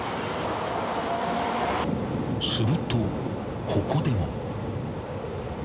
［するとここでも］